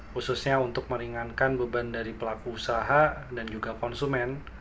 khususnya untuk meringankan beban dari pelaku usaha dan juga konsumen